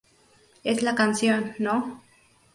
Es la canción No.